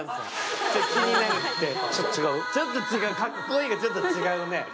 ちょっと違う、かっこいいがちょっと違うね。